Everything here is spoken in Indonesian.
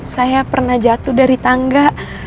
saya pernah jatuh dari tangga